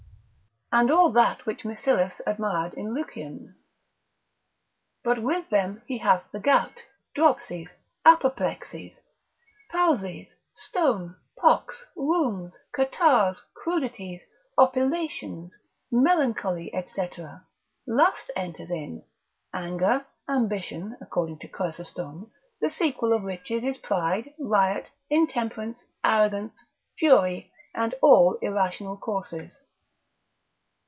and all that which Misillus admired in Lucian; but with them he hath the gout, dropsies, apoplexies, palsies, stone, pox, rheums, catarrhs, crudities, oppilations, melancholy, &c., lust enters in, anger, ambition, according to Chrysostom, the sequel of riches is pride, riot, intemperance, arrogancy, fury, and all irrational courses.